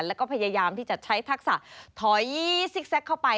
แล้วก็พยายามที่จะใช้ทักษะถอยซิกแก๊กเข้าไป